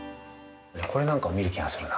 ◆これなんか見る気がするな。